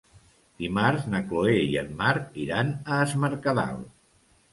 Dimarts na Chloé i en Marc iran a Es Mercadal.